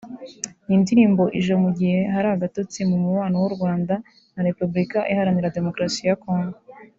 Iyi ndirimo ije mu gihe hari agatotsi mu mubano w’u Rwanda na Repubulika Iharanira Demokarasi ya Congo